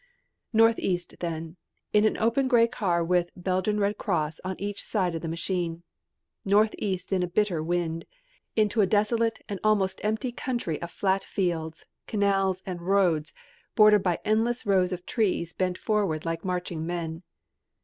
Northeast then, in an open grey car with "Belgian Red Cross" on each side of the machine. Northeast in a bitter wind, into a desolate and almost empty country of flat fields, canals and roads bordered by endless rows of trees bent forward like marching men.